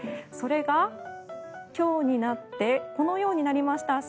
それが今日になってこのようになりました。